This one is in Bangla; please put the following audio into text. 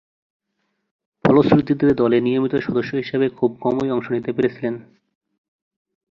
ফলশ্রুতিতে দলে নিয়মিত সদস্য হিসেবে খুব কমই অংশ নিতে পেরেছিলেন।